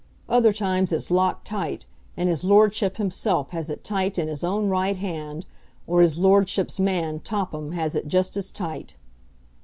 Other times it's locked tight, and his Lordship himself has it tight in his own right hand, or his Lordship's man, Topham, has it just as tight.